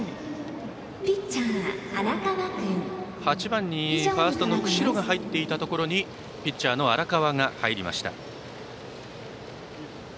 ８番にファーストの久城が入っていたところにピッチャーの荒川が入りました。